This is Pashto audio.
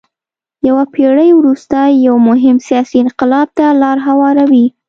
یوه پېړۍ وروسته یو مهم سیاسي انقلاب ته لار هواروي.